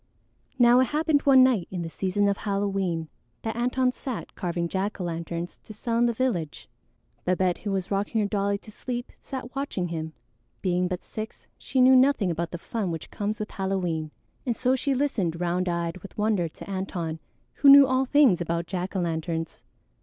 Now it happened one night in the season of Halloween that Antone sat carving jack o' lanterns to sell in the village. Babette, who was rocking her dolly to sleep, sat watching him. Being but six, she knew nothing about the fun which comes with Halloween, and so she listened round eyed with wonder to Antone, who knew all things about jack o' lanterns.